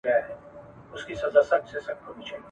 چي په «ژمي» کي يو «دیوتا» په تېښته